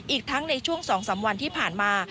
อีกทั้งในช่วง๒๓วันที่ผ่านมา